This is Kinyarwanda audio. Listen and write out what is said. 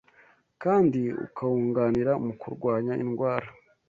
kandi ukawunganira mu kurwanya indwara.